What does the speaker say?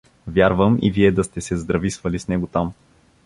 Вярвам и вие да сте се здрависвали с него там.